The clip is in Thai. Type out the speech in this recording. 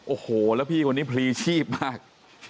โอ้โหแล้วพี่คนนี้พลีชีพมาก